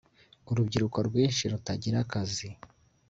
urubyiruko rwinshi rutagira akazi